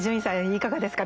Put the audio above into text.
いかがですか？